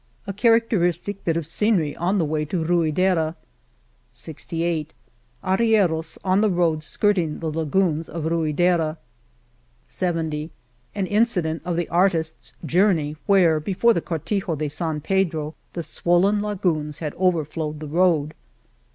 g A characteristic bit of scenery on the way to Ruidera, . 66 *' Arrieros " on the road skirting the lagoons of Rut" deray ........^ An incident of the artisfs journey where, before the Cortijo de San Pedro, the swollen lagoons had over flowed the road